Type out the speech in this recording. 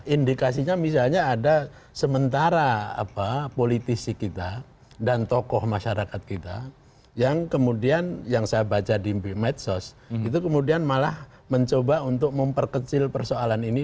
indikasinya misalnya ada sementara politisi kita dan tokoh masyarakat kita yang kemudian yang saya baca di medsos itu kemudian malah mencoba untuk memperkecil persoalan ini